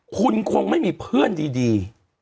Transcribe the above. คุณคงไม่มีเพื่อนดี